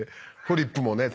フリップもね。